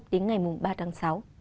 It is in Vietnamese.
đến ngày ba tháng sáu